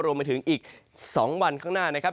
รวมไปถึงอีก๒วันข้างหน้านะครับ